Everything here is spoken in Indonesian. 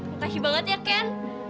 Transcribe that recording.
makasih banget ya ken